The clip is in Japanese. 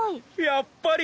やっぱり！